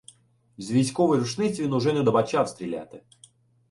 З військової рушниці він уже недобачав стріляти.